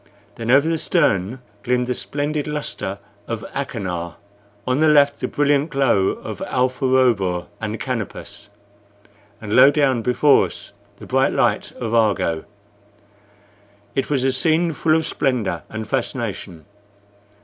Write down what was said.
Then, over the stern, gleamed the splendid lustre of Achernar, on the left the brilliant glow of Alpha Robur and Canopus, and low down before us the bright light of Argo. It was a scene full of splendor and fascination.